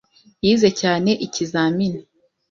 yize cyane ikizamini.